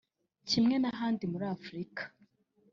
Kimwe n’ahandi muri Afurika